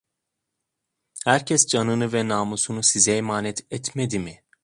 Herkes canını ve namusunu size emanet etmedi mi?